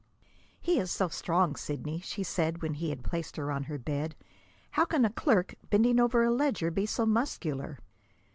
"He is so strong, Sidney!" she said, when he had placed her on her bed. "How can a clerk, bending over a ledger, be so muscular?